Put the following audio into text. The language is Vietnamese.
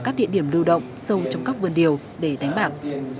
các địa điểm lưu động sâu trong các vườn điều để đánh bạc